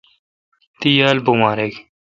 تی یال بومارک۔